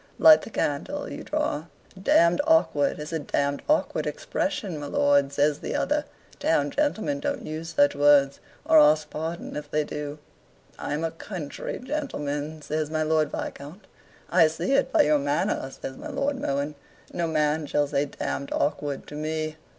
Light the candle, you drawer." "Damned awkward is a damned awkward expression, my lord," says the other. "Town gentlemen don't use such words or ask pardon if they do." "I'm a country gentleman," says my Lord Viscount. "I see it by your manner," says my Lord Mohun. "No man shall say damned awkward to me."